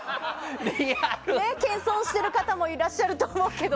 謙遜している方もいらっしゃると思いますけど。